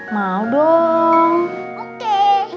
mau dong oke